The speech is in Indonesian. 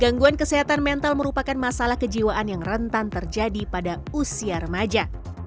gangguan kesehatan mental merupakan masalah kejiwaan yang rentan terjadi pada usia remaja